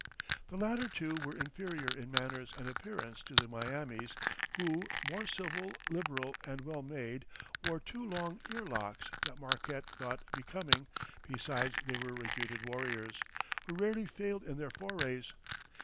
The latter two were inferior in manners and appearance to the Miamis, who, more civil, liberal, and well made, wore two long ear locks that Marquette thought becoming; besides they were reputed warriors, who rarely failed in their forays.